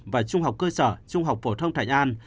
và trung học cơ sở trung học phổ thông thạch an